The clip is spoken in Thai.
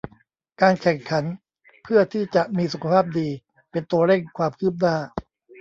การแข่งขันเพื่อที่จะมีสุขภาพดีเป็นตัวเร่งความคืบหน้า